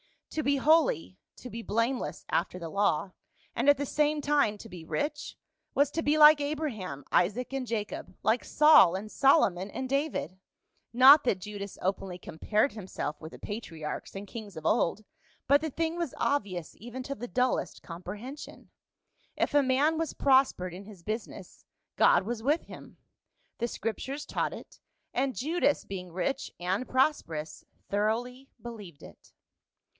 To be holy, to be blameless after the law, and at the same time to be rich, was to be like Abraham, Isaac and Jacob, like Saul and Solomon and David ; not that Judas openly compared himself with the patri archs and kings of old, but the thing was obvious even to the dullest comprehension ; if a man was pros pered in his business, God was with him. The Scrip tures taught it ; and Judas, being rich and prosperous, thoroughly believed it.